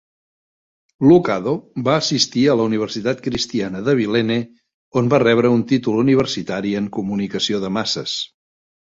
Lucado va assistir a la Universitat Cristiana d'Abilene on va rebre un títol universitari en Comunicació de Masses.